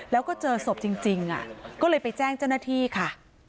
แล้วก็เจอศพจริงก็เลยไปแจ้งเจ้าหน้าที่ค่ะ